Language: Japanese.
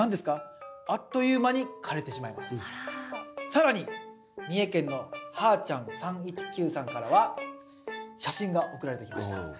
更に三重県のはーちゃん３１９さんからは写真が送られてきました。